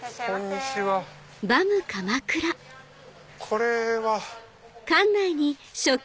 これは。